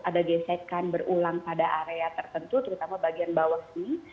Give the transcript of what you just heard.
ada gesekan berulang pada area tertentu terutama bagian bawah sini